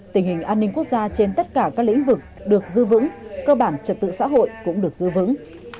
tình hình an ninh quốc gia trên tất cả các lĩnh vực được dư vững cơ bản trật tự xã hội cũng được giữ vững